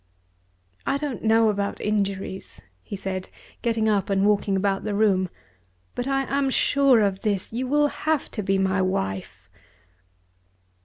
"I don't know about injuries," he said, getting up and walking about the room. "But I am sure of this. You will have to be my wife."